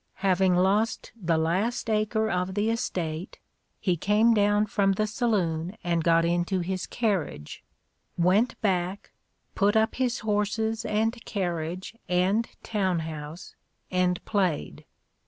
Having lost the last acre of the estate, he came down from the saloon and got into his carriage; went back; put up his horses, and carriage, and town house, and played.